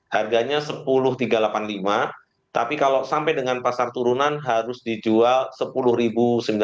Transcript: harganya rp sepuluh tiga ratus delapan puluh lima tapi kalau sampai dengan pasar turunan harus dijual rp sepuluh sembilan ratus